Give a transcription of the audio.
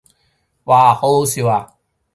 嘩好好笑啊